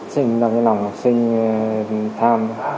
sinh ra cái lòng sinh tham